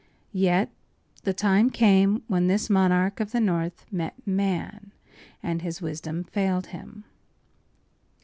Yet the time came when this monarch of the north met man, and his wisdom failed him.